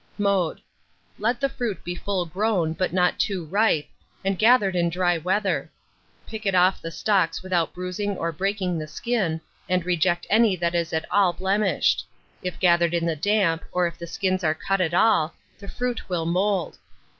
Mode. Let the fruit be full grown, but not too ripe, and gathered in dry weather. Pick it off the stalks without bruising or breaking the skin, and reject any that is at all blemished: if gathered in the damp, or if the skins are cut at all, the fruit will mould.